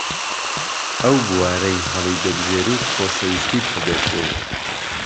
ئەو بوارەی هەڵیدەبژێریت خۆشەویستیت هەبێت بۆی